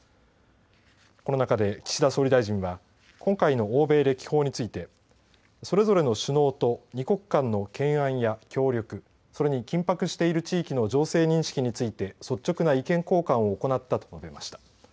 この中で岸田総理大臣は、今回の欧米歴訪についてそれぞれの首脳と２か国間の懸案や協力それに緊迫している地域の情勢認識について率直な意見交換を行ったと述べました。